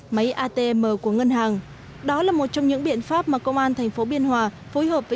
máy atm của ngân hàng đó là một trong những biện pháp mà công an thành phố biên hòa phối hợp với